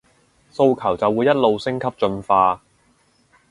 訴求就會一路升級進化